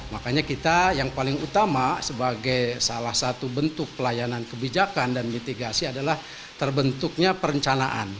makanya kita yang paling utama sebagai salah satu bentuk pelayanan kebijakan dan mitigasi adalah terbentuknya perencanaan